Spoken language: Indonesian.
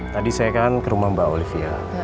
tadi saya kan ke rumah mbak olivia